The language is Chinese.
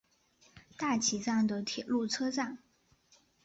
大崎站的铁路车站。